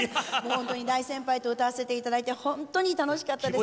本当に大先輩と歌わせて頂いて本当に楽しかったです。